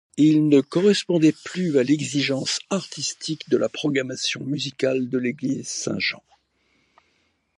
Il ne correspondait plus à l'exigence artistique de la programmation musicale de l'église Saint-Jean.